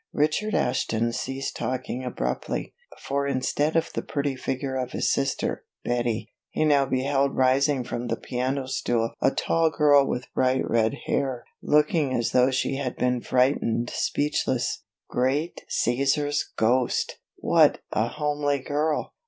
Richard Ashton ceased talking abruptly, for instead of the pretty figure of his sister, Betty, he now beheld rising from the piano stool a tall girl with bright red hair, looking as though she had been frightened speechless. "Great Caesar's ghost, what a homely girl!"